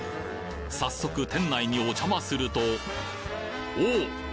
早速店内にお邪魔するとおお！